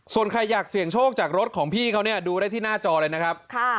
ส่วนใครอยากเสี่ยงโชคจากรถของพี่เขาเนี่ยดูได้ที่หน้าจอเลยนะครับ